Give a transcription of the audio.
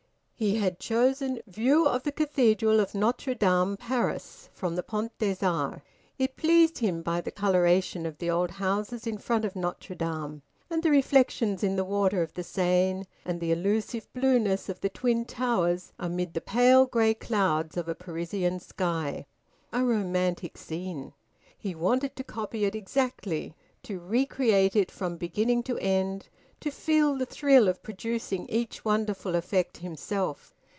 He had chosen "View of the Cathedral of Notre Dame Paris, from the Pont des Arts." It pleased him by the coloration of the old houses in front of Notre Dame, and the reflections in the water of the Seine, and the elusive blueness of the twin towers amid the pale grey clouds of a Parisian sky. A romantic scene! He wanted to copy it exactly, to recreate it from beginning to end, to feel the thrill of producing each wonderful effect himself.